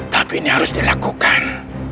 tapi ini harus dilakukan